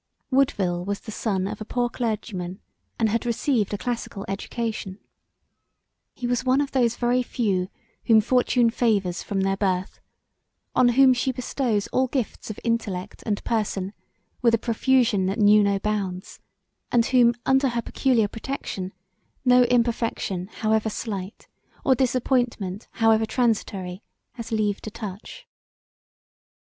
Woodville was the son of a poor clergyman and had received a classical education. He was one of those very few whom fortune favours from their birth; on whom she bestows all gifts of intellect and person with a profusion that knew no bounds, and whom under her peculiar protection, no imperfection however slight, or disappointment however transitory has leave to touch.